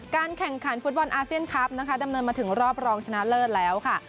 แข่งขันฟุตบอลอาเซียนคลับนะคะดำเนินมาถึงรอบรองชนะเลิศแล้วค่ะ